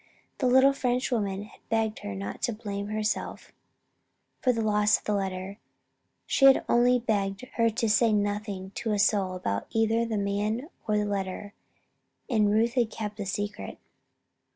The little French woman had begged her not to blame herself for the loss of the letter; she had only begged her to say nothing to a soul about either the man or the letter. And Ruth had kept the secret.